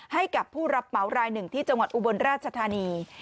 ให้กับผู้รับเหมารายหนึ่งที่จังหวัดอุบลราชธานี